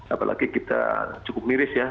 apalagi kita cukup miris ya